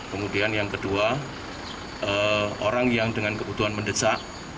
kemudian yang kedua orang yang dengan kebutuhan mendesak